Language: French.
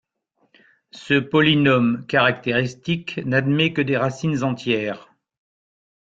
Ce polynôme caractéristique n'admet que des racines entières.